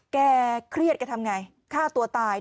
แกเครียดแกทำไงฆ่าตัวตาย